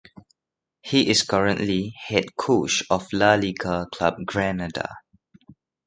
He is currently head coach of La Liga club Granada.